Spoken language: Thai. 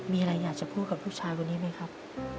มีอะไรอยากจะพูดกับผู้ชายคนนี้ไหมครับ